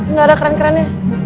nggak ada keren kerennya